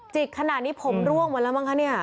กขนาดนี้ผมร่วงหมดแล้วมั้งคะเนี่ย